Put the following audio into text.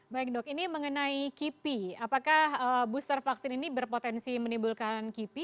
baik dok ini mengenai kipi apakah booster vaksin ini berpotensi menimbulkan kipi